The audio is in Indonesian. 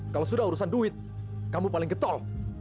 kalau sudah urusan duit kamu paling getol